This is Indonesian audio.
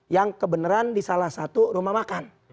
yang kebenaran di salah satu rumah makan